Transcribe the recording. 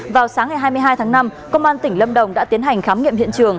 vào sáng ngày hai mươi hai tháng năm công an tỉnh lâm đồng đã tiến hành khám nghiệm hiện trường